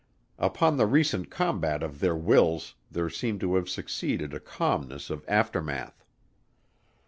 Upon the recent combat of their wills there seemed to have succeeded a calmness of aftermath.